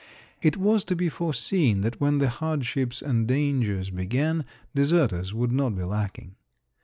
It was to be foreseen that when the hardships and dangers began deserters would not be lacking.